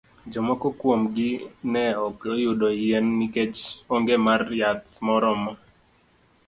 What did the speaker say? Jomoko kuom gi ne ok oyudo yien nikech onge mar yath morormo.